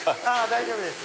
大丈夫です。